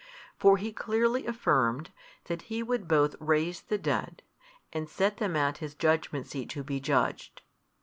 For He clearly affirmed, that He would both raise the dead, and set them at His Judgement seat to be judged.